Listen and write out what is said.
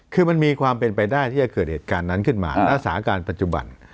คือมันมีความเป็นไปได้ที่จะเกิดเหตุการณ์นั้นขึ้นมารักษาการปัจจุบัน